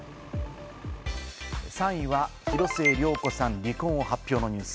３位は広末涼子さん、離婚を発表のニュース。